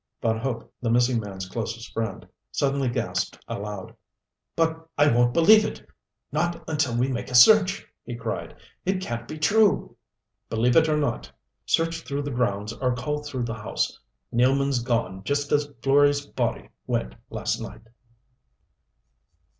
Von Hope, the missing man's closest friend, suddenly gasped aloud. "But I won't believe it not until we make a search!" he cried. "It can't be true." "Believe it or not. Search through the grounds or call through the house. Nealman's gone just as Florey's body went last night."